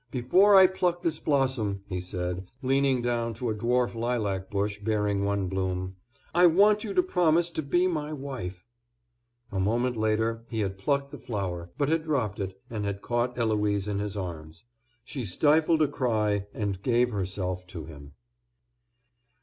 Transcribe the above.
Before I pluck this blossom," he said, leaning down to a dwarf lilac bush bearing one bloom, "I want you to promise to be my wife." A moment later he had plucked the flower, but had dropped it, and had caught Eloise in his arms. She stifled a cry, and gave herself to him.